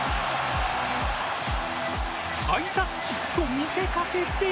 ハイタッチと見せかけて。